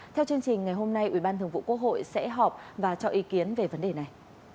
theo chương trình ngày hôm nay ủy ban thường vụ quốc hội sẽ họp và cho ý kiến về vấn đề này